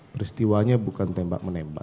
peristiwanya bukan tembak menembak